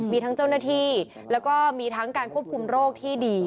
มีทั้งเจ้าหน้าที่แล้วก็มีทั้งการควบคุมโรคที่ดี